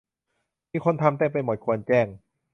มีคนทำเต็มไปหมด ควรแจ้ง